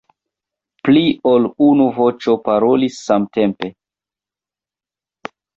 Pli ol unu voĉo parolis samtempe.